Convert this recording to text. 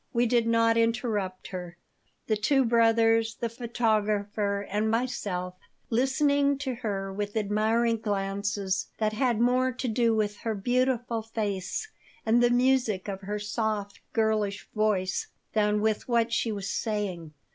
We did not interrupt her, the two brothers, the photographer, and myself listening to her with admiring glances that had more to do with her beautiful face and the music of her soft, girlish voice than with what she was saying.